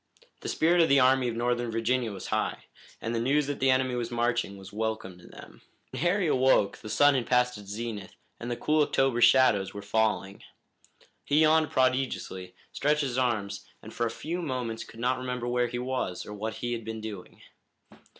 The spirit of the Army of Northern Virginia was high, and the news that the enemy was marching was welcome to them. When Harry awoke the sun had passed its zenith and the cool October shadows were falling. He yawned prodigiously, stretched his arms, and for a few moments could not remember where he was, or what he had been doing.